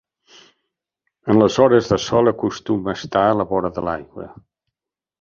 En les hores de sol acostuma a estar a la vora de l'aigua.